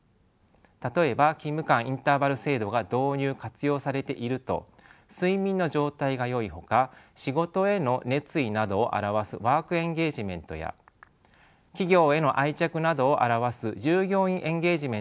例えば勤務間インターバル制度が導入・活用されていると睡眠の状態がよいほか仕事への熱意などを表すワークエンゲージメントや企業への愛着などを表す従業員エンゲージメントもよくなっています。